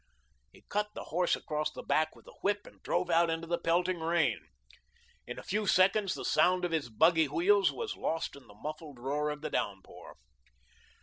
He cut the horse across the back with the whip and drove out into the pelting rain. In a few seconds the sound of his buggy wheels was lost in the muffled roar of the downpour.